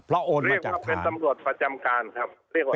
เรียกว่าเป็นตำรวจประจำการครับ